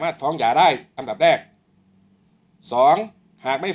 ช่างแอร์เนี้ยคือล้างหกเดือนครั้งยังไม่แอร์